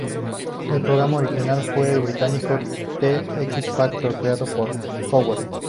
El programa original fue el británico "The X Factor", creado por Cowell.